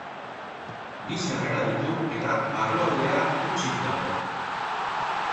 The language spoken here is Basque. Bi sarrera ditu eta barrualdea hutsik dago.